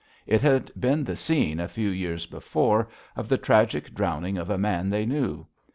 It had been the scene, a few years before, of the tragic drowning of a man they knew.